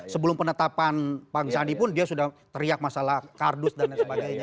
sebelum penetapan pak sandi pun dia sudah teriak masalah kardus dan lain sebagainya